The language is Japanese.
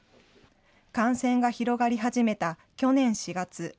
感染が広がり始めた去年４月。